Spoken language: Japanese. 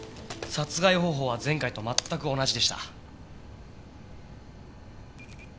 殺害方法は前回と全く同じでした。